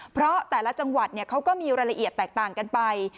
เพราะแต่ละจังหวัดเขาก็มีรายละเอียดแตกต่างกันไป